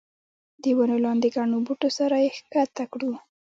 د ونو لاندې ګڼو بوټو سره یې ښکته کړو.